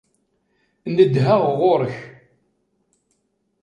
Nedheɣ ɣur-k.